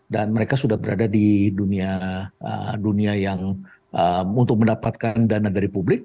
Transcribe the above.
dan mereka sudah berada di dunia yang untuk mendapatkan dana dari publik